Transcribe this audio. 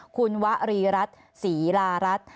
คุณวรีรัฐศรีลารัฐ